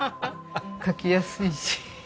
描きやすいし。